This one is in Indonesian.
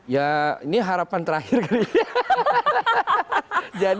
ya ini harapan terakhir kali ya